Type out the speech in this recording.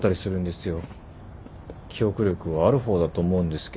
記憶力はある方だと思うんですけど。